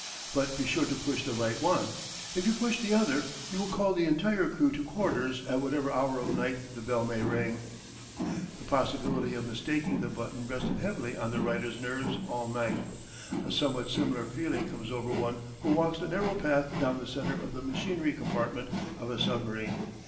But be sure to push the right one. If you push the other you will call the entire crew to quarters at whatever hour of night the bell may ring." The possibility of mistaking the button rested heavily on the writer's nerves all night. A somewhat similar feeling comes over one who walks the narrow path down the centre of the machinery compartment of a submarine.